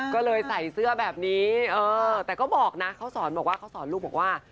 ก็เลยใส่เสื้อแบบนี้แต่ก็บอกนะเขาสอนลูกว่า